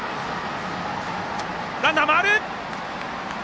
ランナー回る！